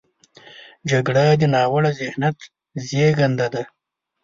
جګړه د ناوړه ذهنیت زیږنده ده